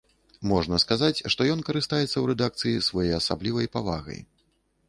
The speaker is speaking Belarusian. Можна сказаць, што ён карыстаецца ў рэдакцыі своеасаблівай павагай.